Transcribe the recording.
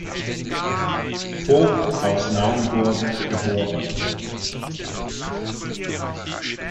Voigt aus Naumburg geboren.